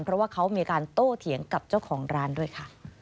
เพราะว่าเขามีการโต้เถียงกับเจ้าของร้านด้วยค่ะ